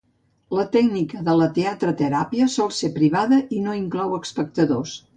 La tècnica de la teatreteràpia sol ser privada i no inclou espectadors.